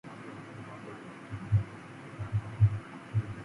It fell after only a few hours, and Cosimo celebrated his first victory.